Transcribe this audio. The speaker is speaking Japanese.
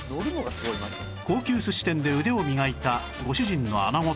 高級寿司店で腕を磨いたご主人の穴子天丼は